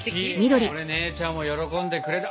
これ姉ちゃんも喜んでくれる。